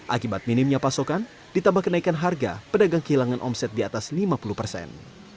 akibat minimnya pasokan ditambah kenaikan harga pedagang kehilangan omset di atas lima puluh persen